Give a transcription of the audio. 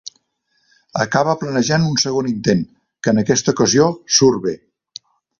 Acaba planejant un segon intent, que en aquesta ocasió surt bé.